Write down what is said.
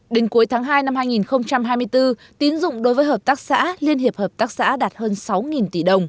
đến cuối tháng hai năm hai nghìn hai mươi bốn tín dụng đối với hợp tác xã liên hiệp hợp tác xã đạt hơn sáu tỷ đồng